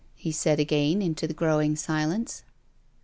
he said again into the growing silence.